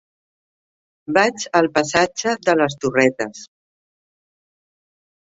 Vaig al passatge de les Torretes.